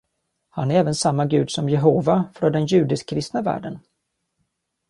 Han är även samma gud som Jehovah från den judisk-kristna världen.